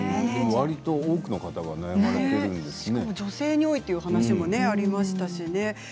わりと多くの方が女性に多いという話もありましたしね。